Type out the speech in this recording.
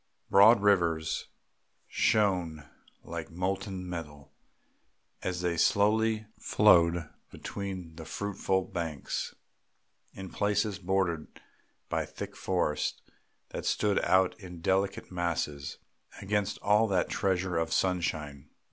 Broad rivers shone like molten metal as they slowly flowed between fruitful banks, in places bordered by thick forests that stood out in delicate masses against all that treasure of sunshine.